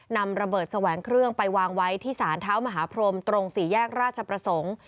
นำระเบิดแสวงเครื่องไปวางไว้ที่สารเท้ามหาพรมตรงสี่แยกราชประสงค์